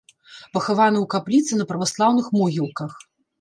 Пахаваны ў капліцы на праваслаўных могілках.